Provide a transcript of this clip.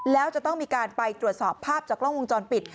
แล้วจะต้องมีการไปตรวจสอบภาพจากกล้องวงจรปิด